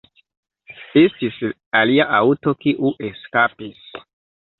Estis alia aŭto, kiu eskapis.